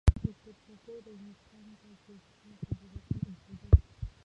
ویکتور هوګو د انګلستان په جرسي جزیره کې اوسېده.